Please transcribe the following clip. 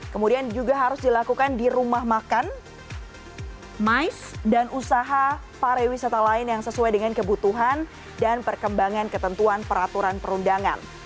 kemudian juga harus dilakukan di rumah makan mais dan usaha pariwisata lain yang sesuai dengan kebutuhan dan perkembangan ketentuan peraturan perundangan